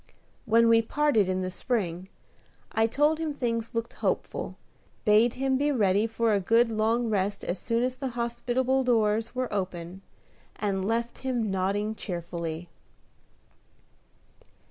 When we parted in the spring, I told him things looked hopeful, bade him be ready for a good long rest as soon as the hospitable doors were open, and left him nodding cheerfully.